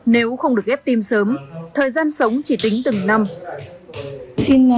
nếu không được ghép tim sớm thời gian sống chỉ tính từng năm